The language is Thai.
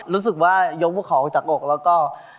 รู้สึกว่ายกพวกเขาออกจากอกแล้วก็